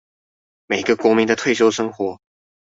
每一個國民的退休生活